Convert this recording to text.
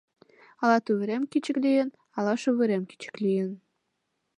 Ала тувырем кӱчык лийын, ала шовырем кӱчык лийын